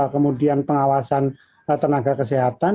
kemudian pengawasan tenaga kesehatan